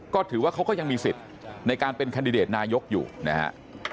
ก็ถือว่าเขาก็ยังมีสิทธิ์ในการเป็นแคนดิเดตนายกอยู่นะฮะ